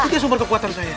itu dia sumber kekuatan saya